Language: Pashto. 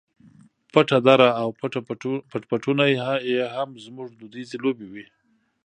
پټه دره او پټ پټونی یې هم زموږ دودیزې لوبې وې.